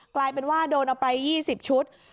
กลายเป็นว่าโดนเอาไป๒๐ชุด